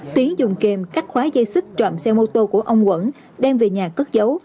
tiến dùng kềm cắt khóa dây xích trộm xe mô tô của ông quẩn đem về nhà cất giấu